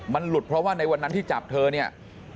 มันหลุดเพราะว่าในวันนั้นที่จับเธอเนี่ย